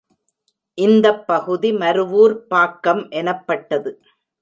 இந்தப் பகுதி மருவூர்ப் பாக்கம் எனப்பட்டது.